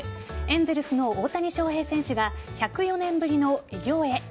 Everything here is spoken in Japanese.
エンゼルスの大谷翔平選手が１０４年ぶりの偉業へ。